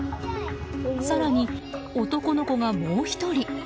更に、男の子がもう１人。